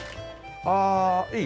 ああいい？